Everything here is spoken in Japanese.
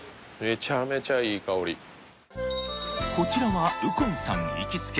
こちらは右近さん行きつけ